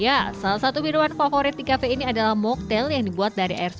ya salah satu minuman favorit di kafe ini adalah moktel yang dibuat dari air